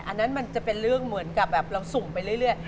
อันนั้นมันจะเป็นเรื่องเหมือนกับแบบเราสุ่มไปเรื่อย